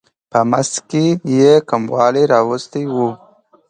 په مزد کې یې کموالی راوستی و.